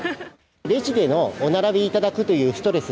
レジでの、お並びいただくというストレス